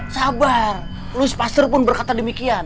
sabar louis pasteur pun berkata demikian